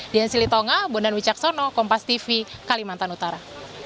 dian silitonga bondan wicaksono kompas tv kalimantan utara